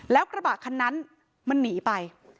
แล้วกระบะคันนั้นมันหนีไป